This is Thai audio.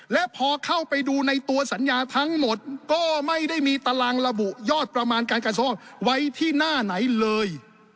และพอเข้าไปดูในตัวสัญญาทั้งหมดก็ไม่ได้มีตารางระบุยอดประมาณการทรงไว้ที่หน้าไหนเลย